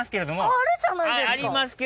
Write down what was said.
あるじゃないですか！